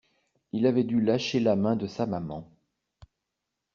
Il avait dû lâcher la main de sa maman.